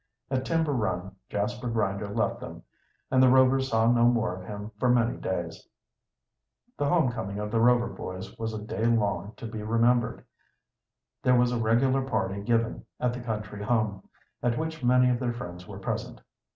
At Timber Run Jasper Grinder left them, and the Rovers saw no more of him for many days. The home coming of the Rover boys was a day long to be remembered. There was a regular party given at the country home, at which many of their friends were present.